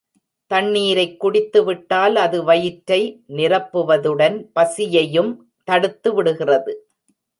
தண்ணீரைக் குடித்து விட்டால், அது வயிற்றை நிரப்புவதுடன் பசியையும் தடுத்து விடுகிறது.